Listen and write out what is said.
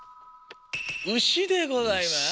「うし」でございます。